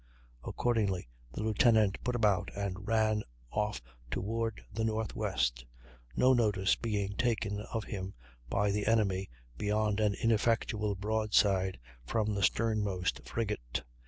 Accordingly the lieutenant put about and ran off toward the northwest, no notice being taken of him by the enemy beyond an ineffectual broadside from the sternmost frigate.